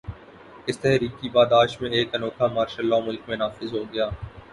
اس تحریک کی پاداش میں ایک انوکھا مارشل لاء ملک میں نافذ ہو گیا۔